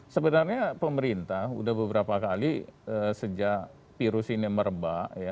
sebenarnya pemerintah sudah beberapa kali sejak virus ini merebak